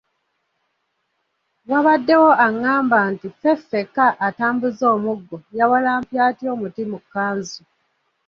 Wabaddewo angamba nti Ffeffekka atambuza omuggo yawalampye atya omuti mu kkanzu.